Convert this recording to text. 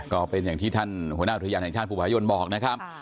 ก็เป็นอย่างที่ท่านหัวหน้าอุทยานแห่งชาติภูผายนบอกนะครับ